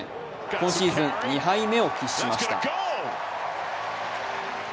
今シーズン２敗目を喫しました。